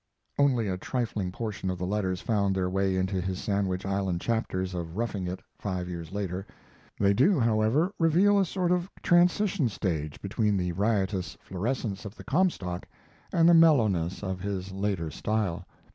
Only a trifling portion of the letters found their way into his Sandwich Island chapters of 'Roughing It', five years later. They do, however, reveal a sort of transition stage between the riotous florescence of the Comstock and the mellowness of his later style.